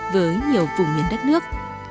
với nhiều vùng nguyên đất nước